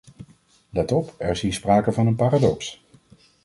Let op: er is hier sprake van een paradox.